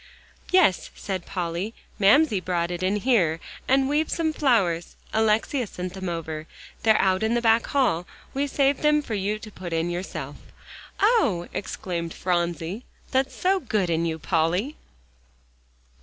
"Yes," said Polly; "Mamsie brought it in here. And we've some flowers; Alexia sent them over. They're out in the back hall; we saved them for you to put in yourself." "Oh!" exclaimed Phronsie, "that's so good in you, Polly."